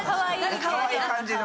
かわいい感じの。